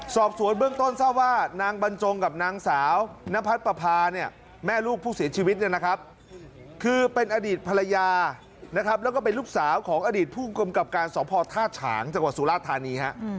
สอบสวนเบื้องต้นทราบว่านางบรรจงกับนางสาวนพัดปภาเนี่ยแม่ลูกผู้เสียชีวิตเนี่ยนะครับคือเป็นอดีตภรรยานะครับแล้วก็เป็นลูกสาวของอดีตผู้กำกับการสพท่าฉางจังหวัดสุราธานีฮะ